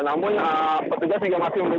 namun petugas juga masih menunggu